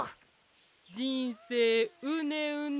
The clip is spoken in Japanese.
じんせいうねうね。